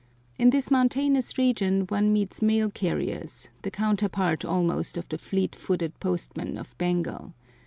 In this mountainous region one meets mail carriers, the counterpart almost of the fleet footed postmen of Bengal.